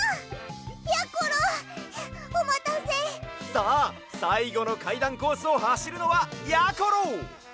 さあさいごのかいだんコースをはしるのはやころ！